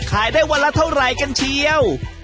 ขายได้วันละเท่าไหร่กันเชียว